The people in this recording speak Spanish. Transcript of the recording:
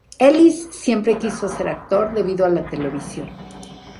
Ellis siempre quiso ser actor debido a la televisión.